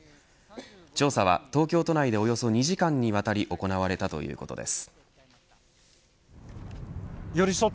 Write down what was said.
調査は東京都内でおよそ２時間にわたり行われたということです。